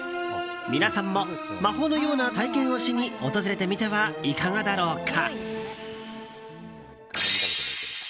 皆さんも魔法のような体験をしに訪れてみてはいかがだろうか。